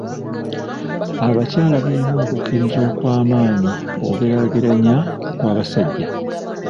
Abakyala balina okukkiriza okw'amaanyi bw'okugeraageranya ku kw'abasajja.